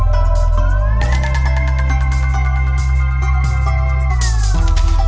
โปรดติดตามต่อไป